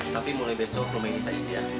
tapi mulai besok rumah ini saya isian